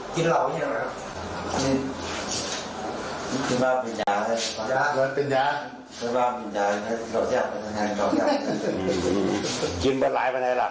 กินเหล่าไม่ใช่ไหมครับ